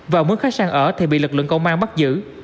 và muốn khách sạn ở thì bị lực lượng công an bắt giữ